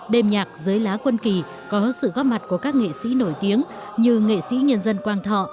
đêm nhạc dưới lá quân kỳ có sự góp mặt của các nghệ sĩ nổi tiếng như nghệ sĩ nhân dân quang thọ